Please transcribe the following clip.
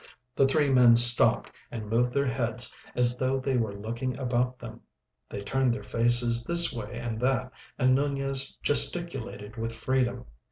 The three men stopped, and moved their heads as though they were looking about them. They turned their faces this way and that, and Nunez gesticulated with freedom.